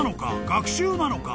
学習なのか？